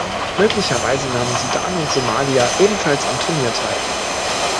Möglicherweise nahmen Sudan und Somalia ebenfalls am Turnier teil.